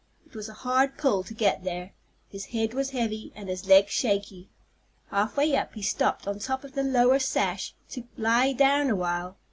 It was a hard pull to get there. His head was heavy, and his legs shaky. Half way up, he stopped on top of the lower sash to lie down awhile.